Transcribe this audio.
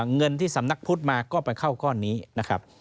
เงินที่สำนักพุทธมาก็ไปเข้าก้อนนี้นะครับ